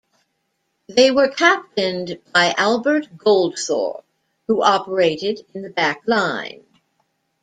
They were captained by Albert Goldthorpe, who operated in the back line.